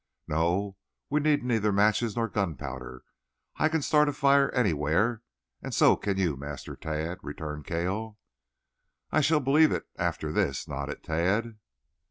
"No, we need neither matches nor gunpowder. I can start a fire anywhere, and so can you, Master Tad," returned Cale. "I shall believe it after this," nodded Tad.